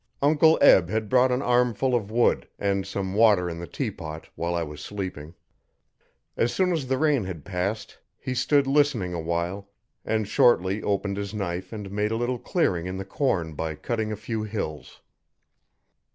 Uncle Eb had brought an armful of wood, and some water in the teapot, while I was sleeping. As soon as the rain had passed he stood listening awhile and shortly opened his knife and made a little clearing in the corn by cutting a few hills.